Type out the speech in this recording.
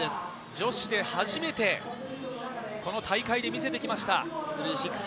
女子で初めて、この大会で見せてきました。